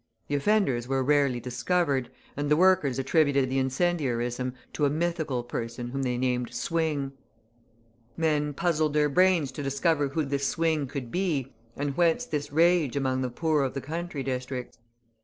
The offenders were rarely discovered, and the workers attributed the incendiarism to a mythical person whom they named "Swing." Men puzzled their brains to discover who this Swing could be and whence this rage among the poor of the country districts.